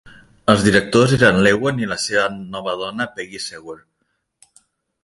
Els directors eren l'Ewan i la seva nova dona, Peggy Seeger.